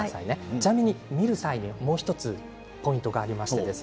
ちなみに見る際に、もう１つポイントがあります。